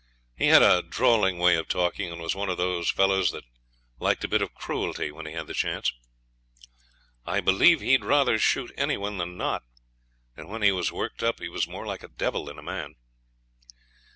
He had a drawling way of talking, and was one of those fellows that liked a bit of cruelty when he had the chance. I believe he'd rather shoot any one than not, and when he was worked up he was more like a devil than a man.